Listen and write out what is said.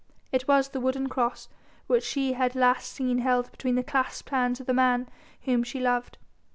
It was the wooden cross which she had last seen held between the clasped hands of the man whom she loved.